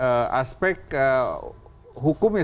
terutama pada aspek hukumnya